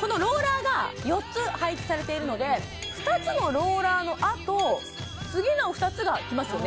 このローラーが４つ配置されているので２つのローラーのあと次の２つがきますよね